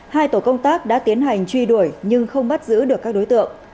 hai tổ công tác đã tiến hành truy đuổi nhưng không bắt giữ được các đối tượng